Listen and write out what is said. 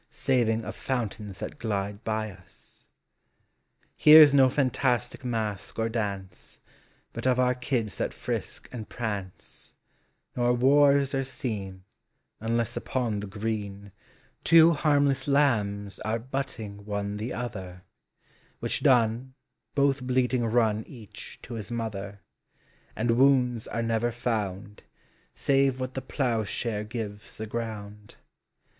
Saving of fountains thai glide by as. Here's no fantastic mask or dance, But of our kids thai frisk and prance; Nor wars are seen, Unless upon the green Two harmless lambs are butting one the other, Which done, both bleating run, each to his mother j And wounds are never found. Save what the ploughshare gives the ground.